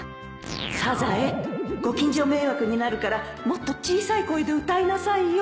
サザエご近所迷惑になるからもっと小さい声で歌いなさいよ